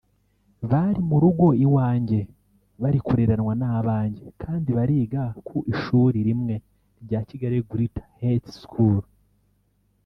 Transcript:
bari mu rugo iwanjye bari kureranwa n’abanjye kandi bariga ku ishuri rimwe rya Kigali Greater Heights School